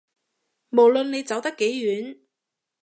無論你走得幾遠